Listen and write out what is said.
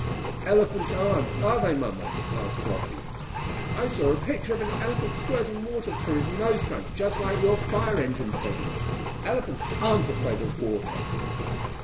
"But elephants aren't, are they, mamma?" asked Flossie. "I saw a picture of an elephant squirting water through his nose trunk just like your fire engine, Freddie. Elephants aren't afraid of water."